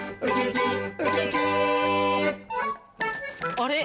あれ？